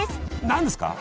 何ですか？